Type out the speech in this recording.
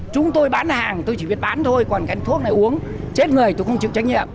chúng tôi bán hàng tôi chỉ biết bán thôi còn cái thuốc này uống chết người tôi không chịu trách nhiệm